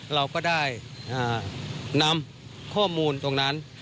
เราก็ได้นำข้อมูลตรงนั้น